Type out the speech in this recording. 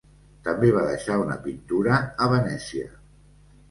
També va deixar una pintura a Venècia.